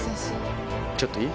ちょっといい？